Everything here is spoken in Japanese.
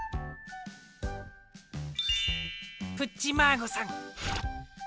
プッチマーゴさん